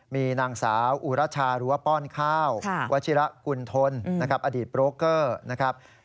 มีนางสาวอุรชารั้วป้อนข้าววัชิระกุณฑลอดีตโปรเกอร์